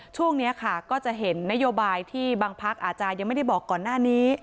ช่วงนี้ค่ะก็จะเห็นนโยบายที่บางพักอาจจะยังไม่ได้บอกก่อนหน้านี้